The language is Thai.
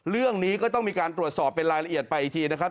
เรื่องนี้ก็ต้องมีการตรวจสอบเป็นรายละเอียดไปอีกทีนะครับ